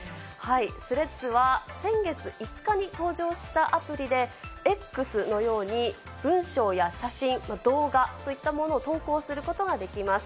スレッズは先月５日に登場したアプリで、Ｘのように文章や写真、動画といったものを投稿することができます。